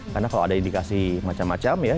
karena kalau ada indikasi macam macam ya